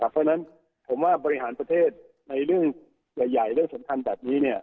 เพราะฉะนั้นผมว่าบริหารประเทศในเรื่องใหญ่เรื่องสำคัญแบบนี้